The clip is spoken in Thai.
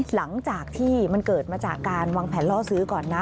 หลังจากที่มันเกิดมาจากการวางแผนล่อซื้อก่อนนะ